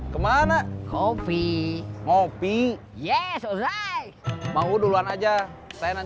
kemana copy copy yes mau duluan aja saya nanti aja oke